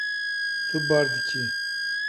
Tu bar dikî.